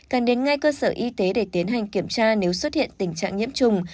cần đến ngay cơ sở y tế để tiến hành kiểm tra nếu xuất hiện tình trạng nhiễm trùng